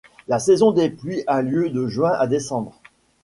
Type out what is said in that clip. La saison des pluies a lieu de juin à décembre.